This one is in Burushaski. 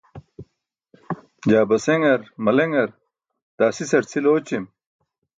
jaa baseṅar, maleṅar, daa sisar cʰil ooćim